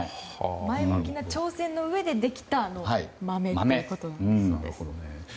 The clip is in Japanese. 前向きな挑戦のうえでできたマメということです。